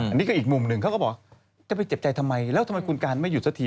อันนี้ก็อีกมุมหนึ่งเขาก็บอกจะไปเจ็บใจทำไมแล้วทำไมคุณการไม่หยุดสักที